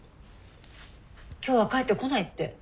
今日は帰ってこないって。